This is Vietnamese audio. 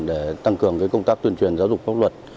để tăng cường công tác tuyên truyền giáo dục pháp luật